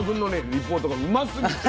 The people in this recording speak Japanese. リポートがうますぎて。